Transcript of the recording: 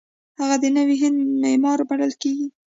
هغه د نوي هند معمار بلل کیږي.